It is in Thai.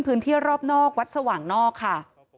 พื้นที่รอบนอกวัดสว่างนอกค่ะ